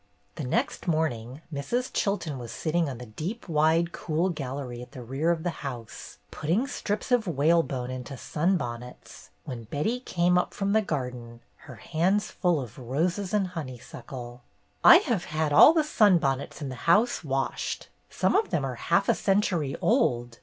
The next morning Mrs. Chilton was sitting on the deep, wide, cool gallery at the rear of the house, putting strips of whalebone into sun 282 BETTY BAIRD'S GOLDEN YEAR bonnets, when Betty came up from the garden, her hands full of roses and honeysuckle. " I have had all the sunbonnets in the house washed. Some of them are half a century old.